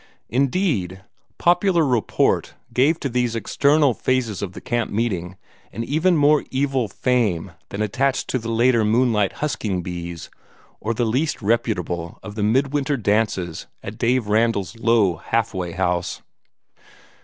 Indeed, popular report gave to these external phases of the camp meeting an even more evil fame than attached to the later moonlight husking bees, or the least reputable of the midwinter dances at Dave Randall's low halfway house.